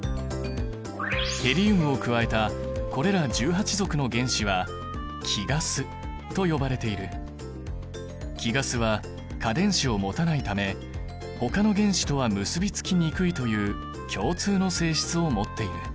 ヘリウムを加えたこれら１８族の原子は貴ガスは価電子を持たないためほかの原子とは結びつきにくいという共通の性質を持っている。